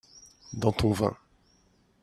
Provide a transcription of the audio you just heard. dans ton vin.